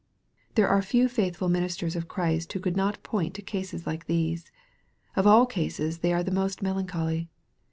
There are few faithful ministers of Christ who could not point to cases like these. Of all cases they are the most melancholy.